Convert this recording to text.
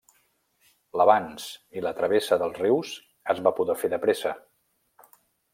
L'avanç i la travessa dels rius es va poder fer de pressa.